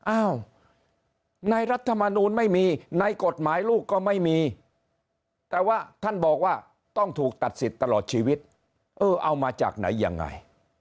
อ้าวในรัฐมนูลไม่มีในกฎหมายลูกก็ไม่มีแต่ว่าท่านบอกว่าต้องถูกตัดสิทธิ์ตลอดชีวิตเออเอามาจากไหนยังไง